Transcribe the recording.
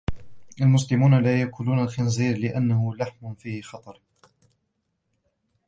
المسلمون لا يأكلون الخنزير لأنّه لحم فيه خطر.